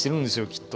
きっと。